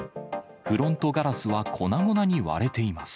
フロントガラスは粉々に割れています。